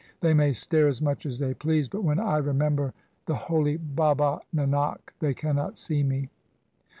They may stare as much as they please, but when I remember the holy Baba Nanak they cannot see me.'